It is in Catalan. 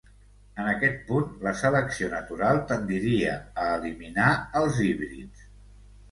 En aquest punt, la selecció natural tendiria a eliminar els híbrids.